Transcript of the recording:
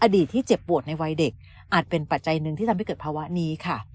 ที่เจ็บปวดในวัยเด็กอาจเป็นปัจจัยหนึ่งที่ทำให้เกิดภาวะนี้ค่ะ